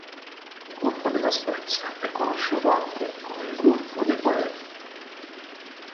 Il golfo della Spezia è conosciuto anche come il "golfo dei Poeti".